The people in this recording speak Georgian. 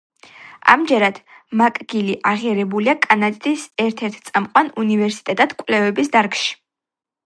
ამჯერად მაკგილი აღიარებულია კანადის ერთ–ერთ წამყვან უნივერსიტეტად კვლევების დარგში.